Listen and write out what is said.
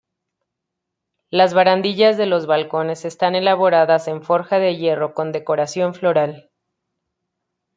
Las barandillas de los balcones están elaboradas en forja de hierro con decoración floral.